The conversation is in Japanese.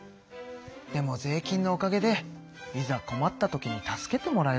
でも税金のおかげでいざこまった時に助けてもらえるのか。